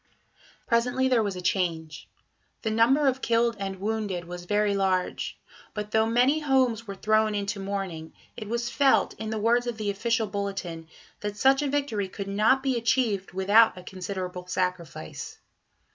Presently there was a change. The number of killed and wounded was very large; but though many homes were thrown into mourning, it was felt, in the words of the official bulletin, that such a victory "could not be achieved without a considerable sacrifice."